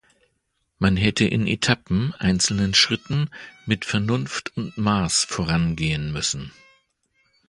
Man hätte in Etappen, einzelnen Schritten, mit Vernunft und Maß vorangehen müssen.